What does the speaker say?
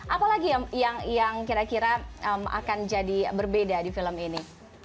apalagi yang kira kira akan jadi berbeda di film ini